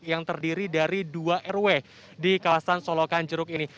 yang terdiri dari dua rw di kawasan solokan jeruk ini